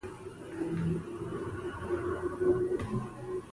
په دې برخه کې نور پاخه ګامونه هم واخیستل.